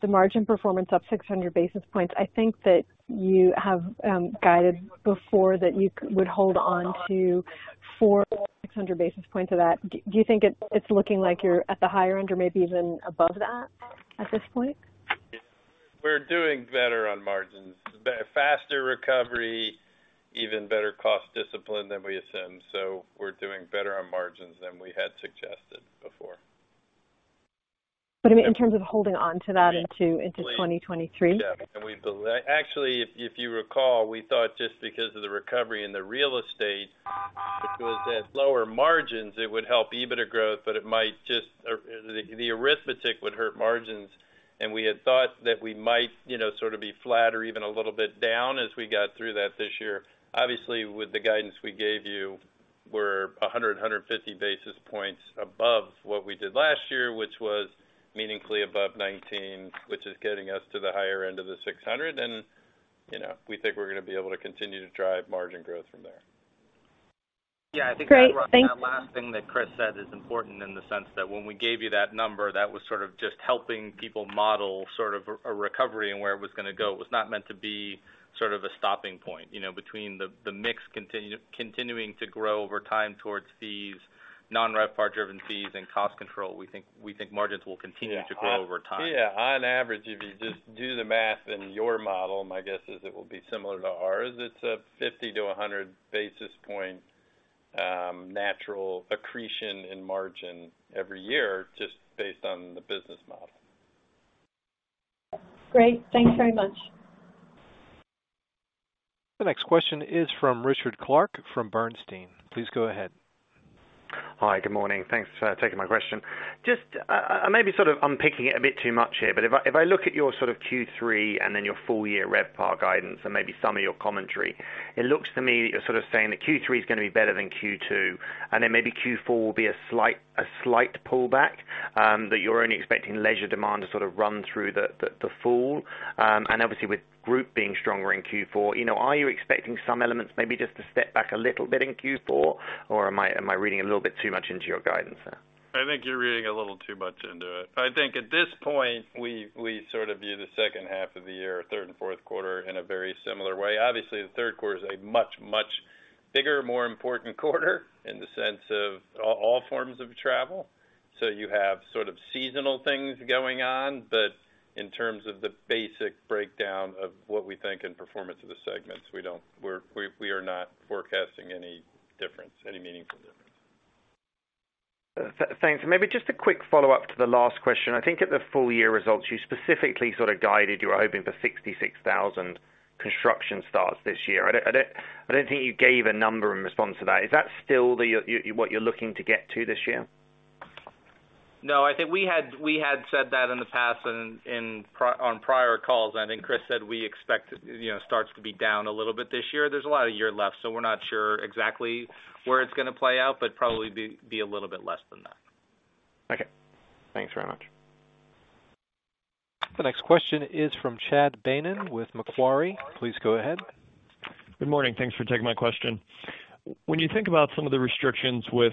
the margin performance up 600 basis points. I think that you have guided before that you would hold on to 400-600 basis points of that. Do you think it's looking like you're at the higher end or maybe even above that at this point? We're doing better on margins. The faster recovery, even better cost discipline than we assumed, so we're doing better on margins than we had suggested before. I mean, in terms of holding on to that into 2023. Yeah. Actually, if you recall, we thought just because of the recovery in the real estate, because at lower margins, it would help EBITDA growth, but it might or the arithmetic would hurt margins. We had thought that we might, you know, sort of be flat or even a little bit down as we got through that this year. Obviously, with the guidance we gave you, we're 150 basis points above what we did last year, which was meaningfully above 19, which is getting us to the higher end of the 600. You know, we think we're gonna be able to continue to drive margin growth from there. Great. Thank you. Yeah, I think that last thing that Chris said is important in the sense that when we gave you that number, that was sort of just helping people model sort of a recovery and where it was gonna go. It was not meant to be sort of a stopping point, you know. Between the mix continuing to grow over time towards fees, non-RevPAR driven fees and cost control, we think margins will continue to grow over time. Yeah. On average, if you just do the math in your model, my guess is it will be similar to ours. It's a 50-100 basis points natural accretion in margin every year just based on the business model. Great. Thanks very much. The next question is from Richard Clarke from Bernstein. Please go ahead. Hi, good morning. Thanks for taking my question. Just maybe sort of I'm picking it a bit too much here, but if I look at your sort of Q3 and then your full year RevPAR guidance and maybe some of your commentary, it looks to me you're sort of saying that Q3 is gonna be better than Q2, and then maybe Q4 will be a slight pullback, that you're only expecting leisure demand to sort of run through the fall. And obviously with group being stronger in Q4, you know, are you expecting some elements maybe just to step back a little bit in Q4, or am I reading a little bit too much into your guidance there? I think you're reading a little too much into it. I think at this point, we sort of view the second half of the year, third and fourth quarter in a very similar way. Obviously, the third quarter is a much bigger, more important quarter in the sense of all forms of travel. You have sort of seasonal things going on, but in terms of the basic breakdown of what we think and performance of the segments, we are not forecasting any difference, any meaningful difference. Thanks. Maybe just a quick follow-up to the last question. I think at the full year results, you specifically sort of guided you were hoping for 66,000 construction starts this year. I don't think you gave a number in response to that. Is that still what you're looking to get to this year? No, I think we had said that in the past and on prior calls. I think Chris said we expect, you know, starts to be down a little bit this year. There's a lot of year left, so we're not sure exactly where it's gonna play out, but probably be a little bit less than that. Okay. Thanks very much. The next question is from Chad Beynon with Macquarie. Please go ahead. Good morning. Thanks for taking my question. When you think about some of the restrictions with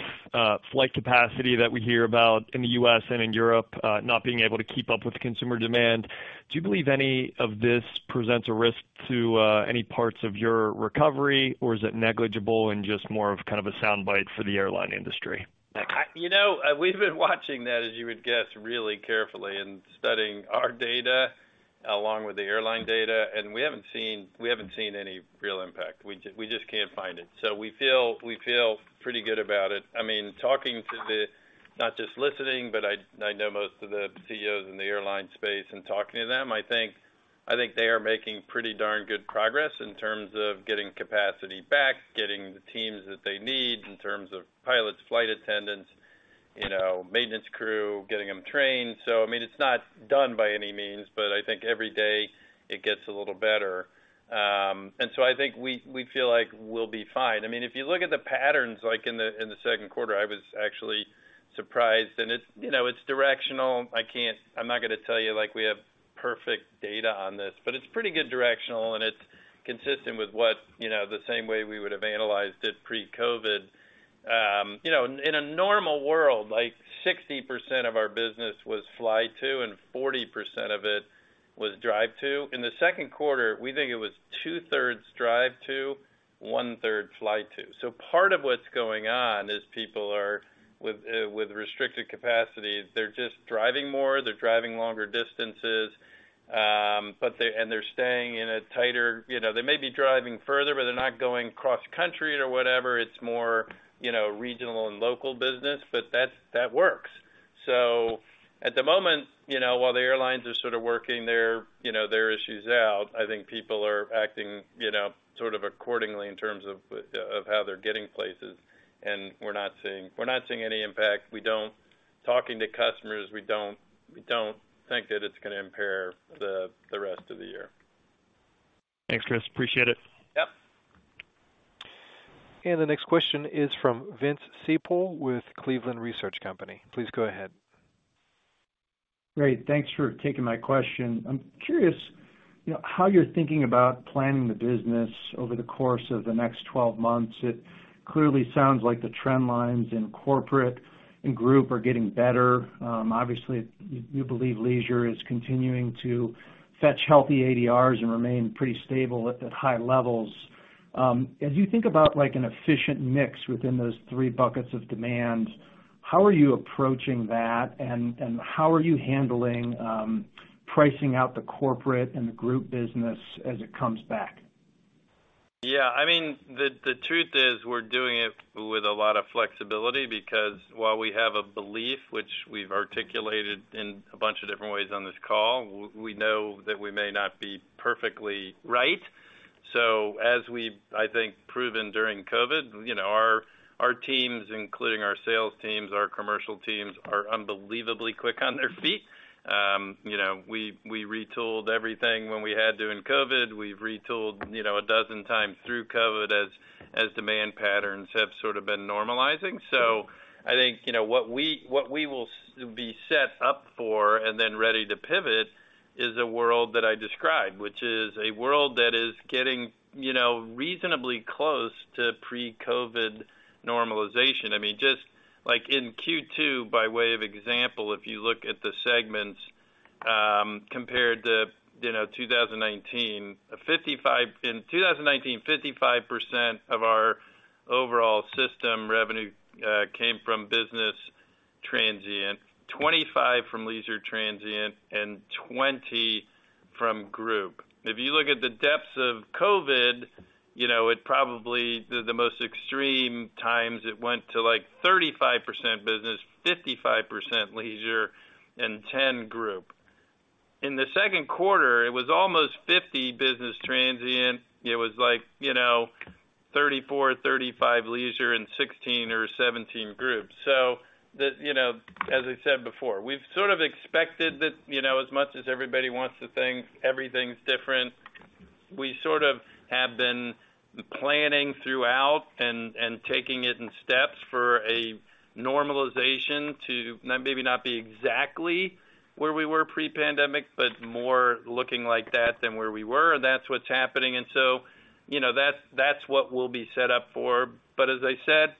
flight capacity that we hear about in the U.S. and in Europe not being able to keep up with consumer demand, do you believe any of this presents a risk to any parts of your recovery, or is it negligible and just more of kind of a soundbite for the airline industry? You know, we've been watching that, as you would guess, really carefully and studying our data along with the airline data, and we haven't seen any real impact. We just can't find it. So we feel pretty good about it. I mean, talking to them, not just listening, but I know most of the CEOs in the airline space and talking to them, I think they are making pretty darn good progress in terms of getting capacity back, getting the teams that they need in terms of pilots, flight attendants, you know, maintenance crew, getting them trained. So, I mean, it's not done by any means, but I think every day it gets a little better. I think we feel like we'll be fine. I mean, if you look at the patterns, like in the second quarter, I was actually surprised. It's, you know, directional. I'm not gonna tell you like we have perfect data on this, but it's pretty good directional, and it's consistent with what, you know, the same way we would have analyzed it pre-COVID. You know, in a normal world, like 60% of our business was fly to, and 40% of it was drive to. In the second quarter, we think it was two-thirds drive to, one-third fly to. Part of what's going on is people are with restricted capacity. They're just driving more, they're driving longer distances, and they're staying in a tighter, you know. They may be driving further, but they're not going cross-country or whatever. It's more, you know, regional and local business, but that works. At the moment, you know, while the airlines are sort of working their issues out, I think people are acting, you know, sort of accordingly in terms of how they're getting places. We're not seeing any impact. Talking to customers, we don't think that it's gonna impair the rest of the year. Thanks, Chris. Appreciate it. Yep. The next question is from Vince Ciepiel with Cleveland Research Company. Please go ahead. Great. Thanks for taking my question. I'm curious, you know, how you're thinking about planning the business over the course of the next twelve months. It clearly sounds like the trend lines in corporate and group are getting better. Obviously, you believe leisure is continuing to fetch healthy ADRs and remain pretty stable at the high levels. As you think about, like, an efficient mix within those three buckets of demands, how are you approaching that, and how are you handling pricing out the corporate and the group business as it comes back? Yeah, I mean, the truth is we're doing it with a lot of flexibility because while we have a belief, which we've articulated in a bunch of different ways on this call, we know that we may not be perfectly right. As we've, I think, proven during COVID, you know, our teams, including our sales teams, our commercial teams, are unbelievably quick on their feet. You know, we retooled everything when we had to in COVID. We've retooled, you know, a dozen times through COVID as demand patterns have sort of been normalizing. I think, you know, what we will be set up for and then ready to pivot is a world that I described, which is a world that is getting, you know, reasonably close to pre-COVID normalization. I mean, just like in Q2, by way of example, if you look at the segments, compared to, you know, 2019, 55% of our overall system revenue came from business transient, 25% from leisure transient, and 20% from group. If you look at the depths of COVID, you know, it probably the most extreme times it went to, like, 35% business, 55% leisure, and 10% group. In the second quarter, it was almost 50% business transient. It was like, you know, 34, 35% leisure and 16 or 17% group. The, you know, as I said before, we've sort of expected that, you know, as much as everybody wants to think everything's different, we sort of have been planning throughout and taking it in steps for a normalization to maybe not be exactly where we were pre-pandemic, but more looking like that than where we were. That's what's happening. You know, that's what we'll be set up for. As I said,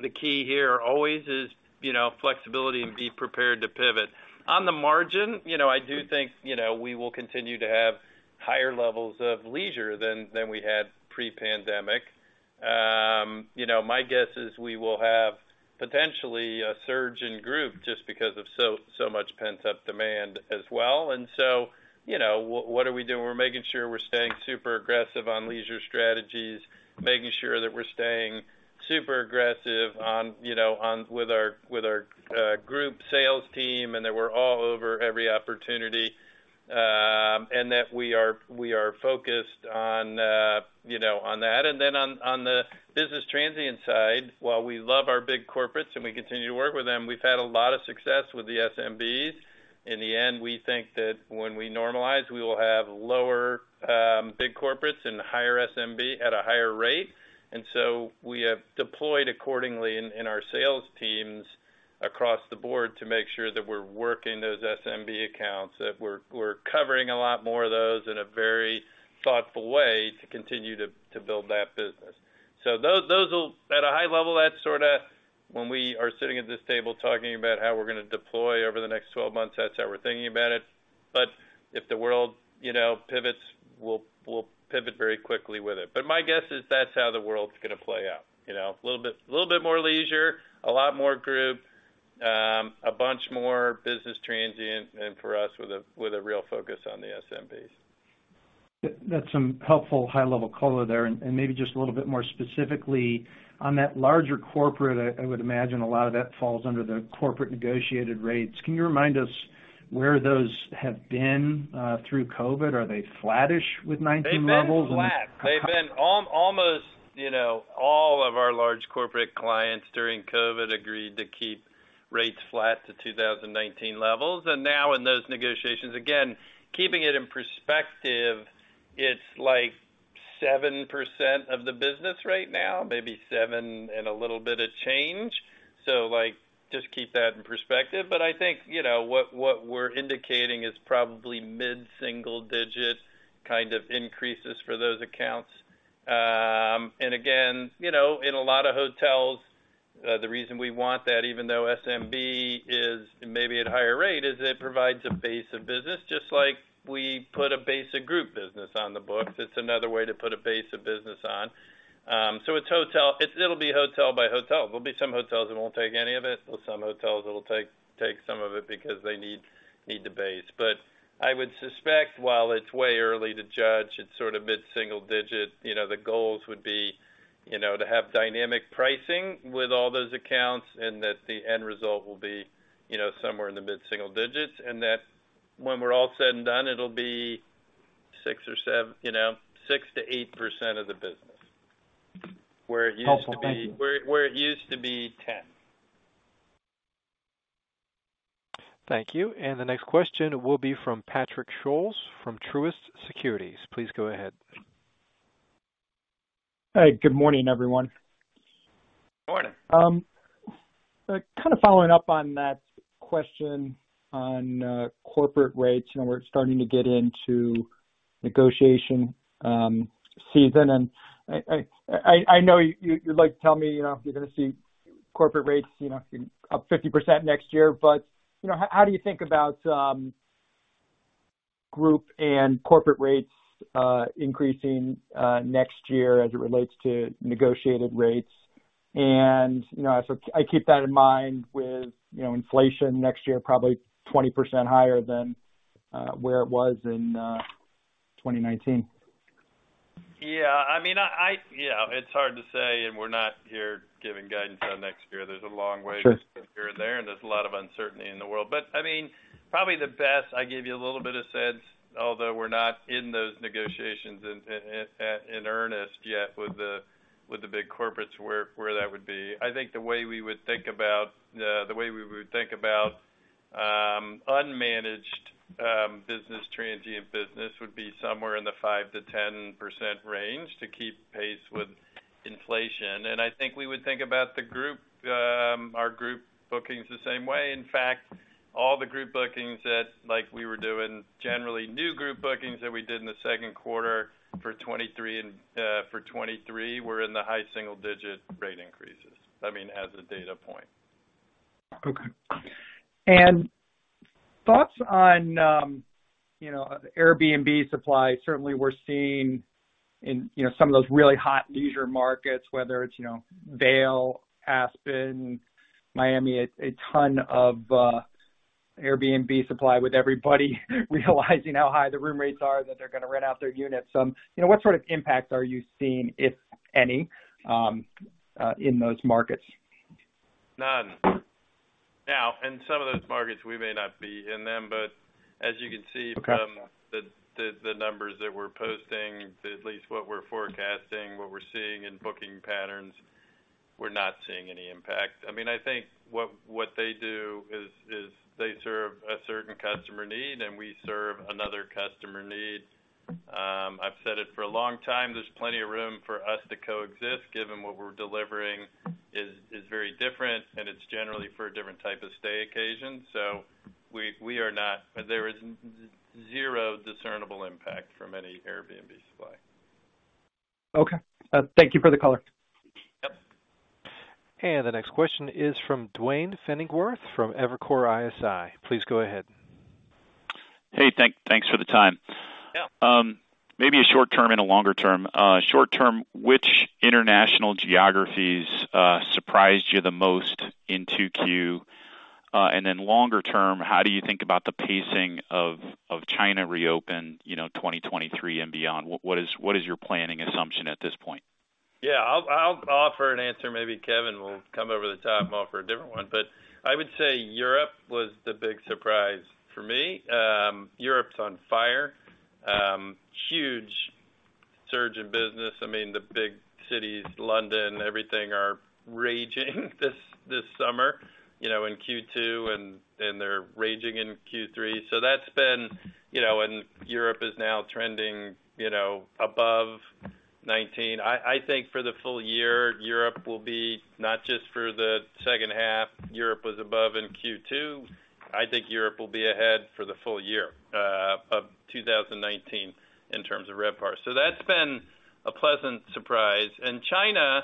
the key here always is, you know, flexibility and be prepared to pivot. On the margin, you know, I do think, you know, we will continue to have higher levels of leisure than we had pre-pandemic. You know, my guess is we will have potentially a surge in group just because of so much pent-up demand as well. You know, what are we doing? We're making sure we're staying super aggressive on leisure strategies, making sure that we're staying super aggressive with our group sales team, and that we're all over every opportunity, and that we are focused on that. On the business transient side, while we love our big corporates and we continue to work with them, we've had a lot of success with the SMBs. In the end, we think that when we normalize, we will have lower big corporates and higher SMBs at a higher rate. We have deployed accordingly in our sales teams across the board to make sure that we're working those SMB accounts, that we're covering a lot more of those in a very thoughtful way to continue to build that business. At a high level, that's sorta when we are sitting at this table talking about how we're gonna deploy over the next 12 months. That's how we're thinking about it. If the world, you know, pivots, we'll pivot very quickly with it. My guess is that's how the world's gonna play out. You know, a little bit more leisure, a lot more group, a bunch more business transient, and for us, with a real focus on the SMBs. That's some helpful high-level color there. Maybe just a little bit more specifically, on that larger corporate, I would imagine a lot of that falls under the corporate negotiated rates. Can you remind us where those have been through COVID? Are they flattish with 'nineteen levels and- They've been flat. They've been almost, you know, all of our large corporate clients during COVID agreed to keep rates flat to 2019 levels. Now in those negotiations, again, keeping it in perspective, it's, like, 7% of the business right now, maybe seven and a little bit of change. Like, just keep that in perspective. I think, you know, what we're indicating is probably mid-single-digit kind of increases for those accounts. Again, you know, in a lot of hotels, the reason we want that, even though SMB is maybe at a higher rate, is it provides a base of business, just like we put a base of group business on the books. It's another way to put a base of business on. It's hotel by hotel. There'll be some hotels that won't take any of it, or some hotels that'll take some of it because they need the base. But I would suspect, while it's way early to judge, it's sort of mid-single digit. You know, the goals would be, you know, to have dynamic pricing with all those accounts, and that the end result will be, you know, somewhere in the mid-single digits. That when we're all said and done, it'll be, you know, 6%-8% of the business, where it used to be. Helpful. Thank you. Where it used to be 10. Thank you. The next question will be from Patrick Scholes from Truist Securities. Please go ahead. Hey, good morning, everyone. Morning. Kind of following up on that question on corporate rates, you know, we're starting to get into negotiation season. I know you'd like to tell me, you know, if you're gonna see corporate rates, you know, up 50% next year. You know, how do you think about group and corporate rates increasing next year as it relates to negotiated rates? You know, I keep that in mind with you know, inflation next year, probably 20% higher than where it was in 2019. Yeah, I mean, it's hard to say, and we're not here giving guidance on next year. There's a long way. Sure. from here and there, and there's a lot of uncertainty in the world. I mean, probably the best I gave you a little bit of sense, although we're not in those negotiations in earnest yet with the big corporates where that would be. I think the way we would think about unmanaged business transient business would be somewhere in the 5%-10% range to keep pace with inflation. I think we would think about the group our group bookings the same way. In fact, all the group bookings that like we were doing generally new group bookings that we did in the second quarter for 2023 and for 2023 were in the high single-digit rate increases. I mean, as a data point. Okay. Thoughts on, you know, Airbnb supply. Certainly we're seeing in, you know, some of those really hot leisure markets, whether it's, you know, Vail, Aspen, Miami, a ton of Airbnb supply with everybody realizing how high the room rates are that they're gonna rent out their units. You know, what sort of impacts are you seeing, if any, in those markets? None. Now, in some of those markets, we may not be in them, but as you can see. Okay From the numbers that we're posting, at least what we're forecasting, what we're seeing in booking patterns, we're not seeing any impact. I mean, I think what they do is they serve a certain customer need, and we serve another customer need. I've said it for a long time, there's plenty of room for us to coexist given what we're delivering is very different and it's generally for a different type of stay occasion. There is zero discernible impact from any Airbnb supply. Okay. Thank you for the color. Yep. The next question is from Duane Pfennigwerth from Evercore ISI. Please go ahead. Hey, thanks for the time. Yeah. Maybe a short term and a longer term. Short term, which international geographies surprised you the most in 2Q? And then longer term, how do you think about the pacing of China reopen, you know, 2023 and beyond? What is your planning assumption at this point? Yeah. I'll offer an answer. Maybe Kevin will come over the top and offer a different one. I would say Europe was the big surprise for me. Europe's on fire. Huge surge in business. I mean, the big cities, London, everything are raging this summer, you know, in Q2, and they're raging in Q3. You know, Europe is now trending, you know, above 19%. I think for the full year, Europe will be not just for the second half. Europe was above in Q2. I think Europe will be ahead for the full year of 2019 in terms of RevPAR. That's been a pleasant surprise. China,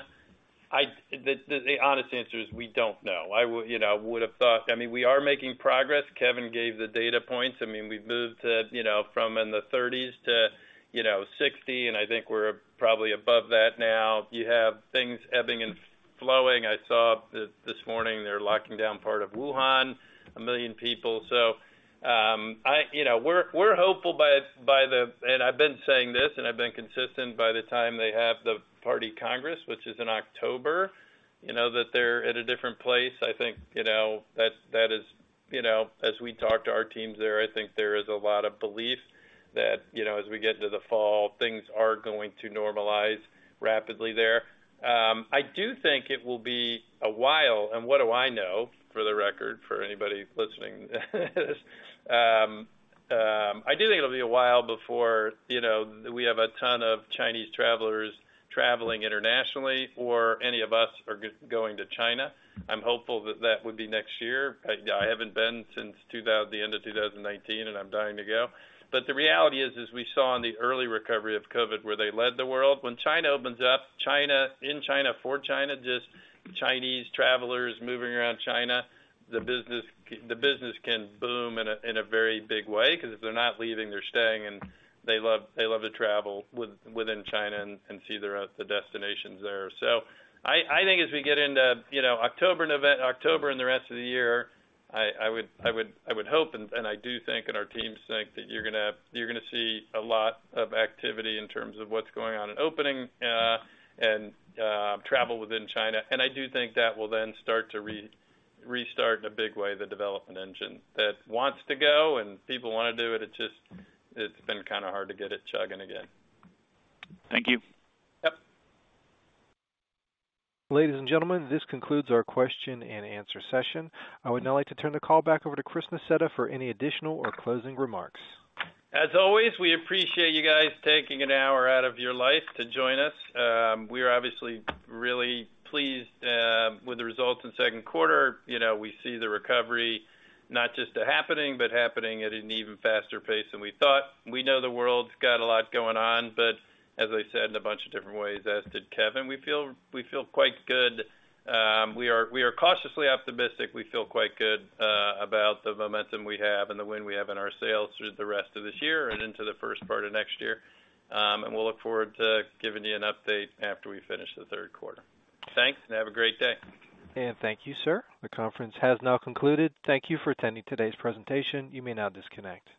the honest answer is we don't know. I mean, we are making progress. Kevin gave the data points. I mean, we've moved to, you know, from in the 30s to, you know, 60, and I think we're probably above that now. You have things ebbing and flowing. I saw this morning they're locking down part of Wuhan, 1 million people. You know, we're hopeful by the. I've been saying this, and I've been consistent by the time they have the Party Congress, which is in October, you know that they're at a different place. I think, you know, that is, you know, as we talk to our teams there, I think there is a lot of belief that, you know, as we get into the fall, things are going to normalize rapidly there. I do think it will be a while, and what do I know for the record for anybody listening to this. I do think it'll be a while before, you know, we have a ton of Chinese travelers traveling internationally or any of us are going to China. I'm hopeful that that would be next year. I haven't been since the end of 2019, and I'm dying to go. The reality is, as we saw in the early recovery of COVID, where they led the world, when China opens up, in China, for China, just Chinese travelers moving around China, the business can boom in a very big way 'cause if they're not leaving, they're staying, and they love to travel within China and see the destinations there. I think as we get into, you know, October and the rest of the year, I would hope and I do think and our teams think that you're gonna see a lot of activity in terms of what's going on in opening and travel within China. I do think that will then start to restart in a big way the development engine that wants to go and people wanna do it. It's just, it's been kinda hard to get it chugging again. Thank you. Yep. Ladies and gentlemen, this concludes our question and answer session. I would now like to turn the call back over to Chris Nassetta for any additional or closing remarks. As always, we appreciate you guys taking an hour out of your life to join us. We are obviously really pleased with the results in second quarter. You know, we see the recovery not just happening, but happening at an even faster pace than we thought. We know the world's got a lot going on, but as I said in a bunch of different ways, as did Kevin, we feel quite good. We are cautiously optimistic. We feel quite good about the momentum we have and the win we have in our sales through the rest of this year and into the first part of next year. We'll look forward to giving you an update after we finish the third quarter. Thanks, and have a great day. Thank you, sir. The conference has now concluded. Thank you for attending today's presentation. You may now disconnect.